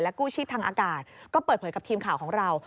กู้ชีพทางอากาศก็เปิดเผยกับทีมข่าวของเรา